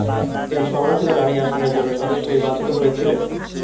তিনি সংরক্ষিত নারী আসনের জন্য সদস্য নির্বাচিত হয়েছিলেন।